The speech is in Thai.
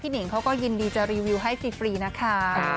หนิงเขาก็ยินดีจะรีวิวให้ฟรีนะคะ